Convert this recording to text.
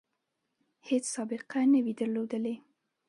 هیڅ سابقه نه وي درلودلې.